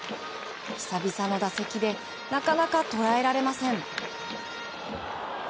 久々の打席でなかなかとらえられません。